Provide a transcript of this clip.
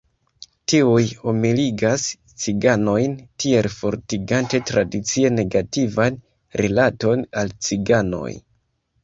Tiuj humiligas ciganojn, tiel fortigante tradicie negativan rilaton al ciganoj.